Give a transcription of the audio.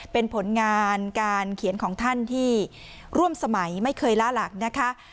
เป็นผลงานการเขียนของท่านที่ร่วมสมัยไม่เคยล่าหลักนะคะ